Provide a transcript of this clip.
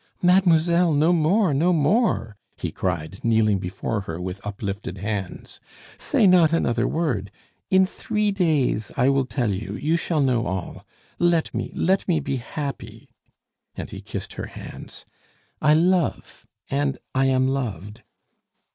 "Mademoiselle no more, no more!" he cried, kneeling before her with uplifted hands. "Say not another word! In three days I will tell you, you shall know all. Let me, let me be happy," and he kissed her hands. "I love and I am loved."